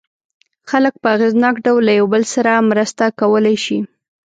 خلک په اغېزناک ډول له یو بل سره مرسته کولای شي.